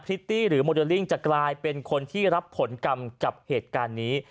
ิตตี้หรือโมเดลลิ่งจะกลายเป็นคนที่รับผลกรรมกับเหตุการณ์นี้